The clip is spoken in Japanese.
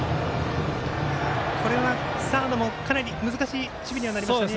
これはサードもかなり難しい守備になりましたね。